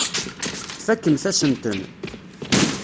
Tfakemt-asen-ten.